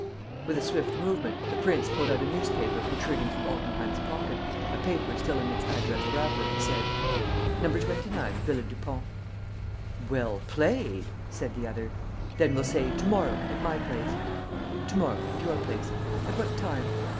With a swift movement, the prince pulled out a newspaper protruding from Altenheim's pocket, a paper still in its addressed wrapper, and said: "No. 29, Villa Dupont." "Well played!" said the other. "Then we'll say, to morrow, at my place." "To morrow, at your place. At what time?"